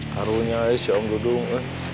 harunya sih om dudung